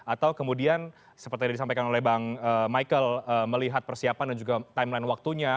atau kemudian seperti yang disampaikan oleh bang michael melihat persiapan dan juga timeline waktunya